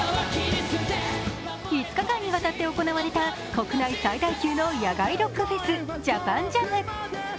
５日間にわたって行われた国内最大級の野外ロックフェスＪＡＰＡＮＪＡＭ。